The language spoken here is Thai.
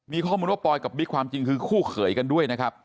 มีข้อมูลว่าปอยกับบิ๊กความจริงคือคู่เขยกันด้วยนะครับ